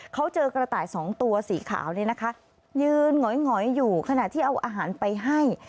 เขาเจอกระต่ายสองตัวสีขาวเนี่ยนะคะยืนหงอยอยู่ขณะที่เอาอาหารไปให้